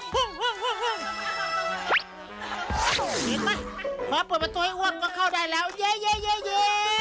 เห็นไหมพอเปิดประตูให้อ้วนก็เข้าได้แล้วเยอะ